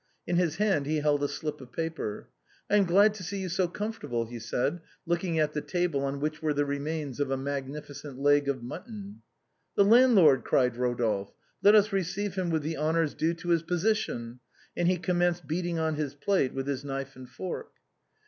In his hand he held a slip of paper. " I am glad to see you so comfortable," he said, looking at the table on Mdiich were the remains of a. magnificent leg of mutton. " The landlord !" cried Eodolphe ; "let us receive him with the honors due to his position!" and he commenced beating on his plate with his knife and fork.